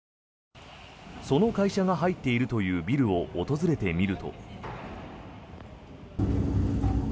その会社が入っているというビルを訪れてみると。